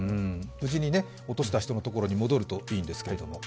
無事に落とした人のところに戻るといいんですけれども。